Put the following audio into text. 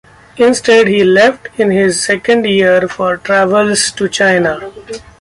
Instead he left in his second year for travels to China.